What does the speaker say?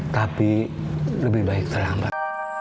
tapi lebih baik terlambat